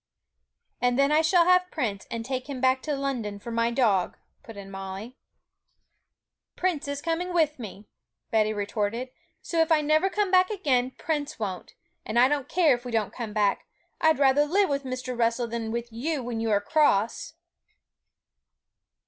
'And then I shall have Prince, and take him back to London for my dog,' put in Molly. 'Prince is coming with me,' Betty retorted; 'so if I never come back again, Prince won't! And I don't care if we don't come back. I'd rather live with Mr. Russell than with you when you are cross.'